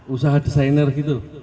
usaha designer gitu